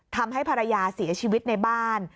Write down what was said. ทำให้ภรรยาเสียชีวิตในบ้าน